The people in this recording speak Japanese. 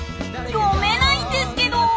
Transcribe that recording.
読めないんですけど！